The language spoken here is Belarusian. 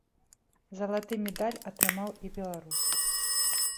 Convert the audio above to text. Залаты медаль атрымаў і беларус.